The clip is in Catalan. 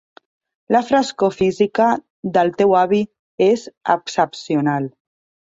La frescor física del teu avi és excepcional.